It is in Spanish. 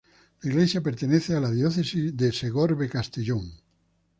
Las Iglesias pertenecen a la Diócesis de Segorbe-Castellón.